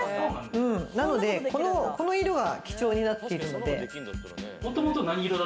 なので、この色は基調になっているので。